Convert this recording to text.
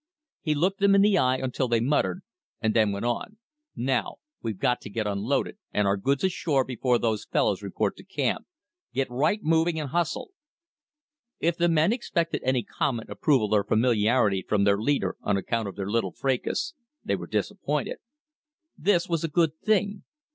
He looked them in the eye until they muttered, and then went on: "Now, we've got to get unloaded and our goods ashore before those fellows report to camp. Get right moving, and hustle!" If the men expected any comment, approval, or familiarity from their leader on account of their little fracas, they were disappointed. This was a good thing.